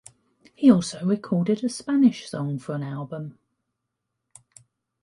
He also recorded a Spanish song for an album.